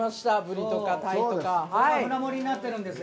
舟盛りになってるんですよ。